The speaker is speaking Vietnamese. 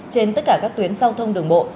trên tất cả các tuyến giao thông đường bộ